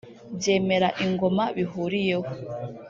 byemera ingoma bihuriyeho